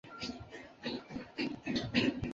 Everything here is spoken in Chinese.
儿子刘黑马。